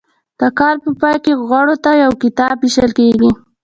د کال په پای کې غړو ته یو کتاب ویشل کیږي.